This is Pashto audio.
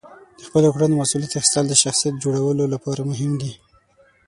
د خپلو کړنو مسئولیت اخیستل د شخصیت جوړولو لپاره مهم دي.